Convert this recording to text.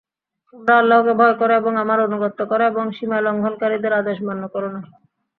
তোমরা আল্লাহকে ভয় কর এবং আমার আনুগত্য কর এবং সীমালংঘনকারীদের আদেশ মান্য করো না।